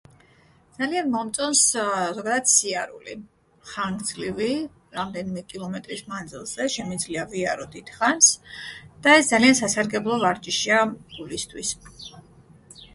ძალიან მომწონს ზოგადად სიარული. ხანგრძლივი რამდენიმე კილომეტრის მანძილზე შემიძლია ვიარო დიდხანს და ეს ძალიან სასარგებლო ვარჯიშია გულისთვის.